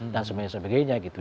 dan sebagainya sebagainya gitu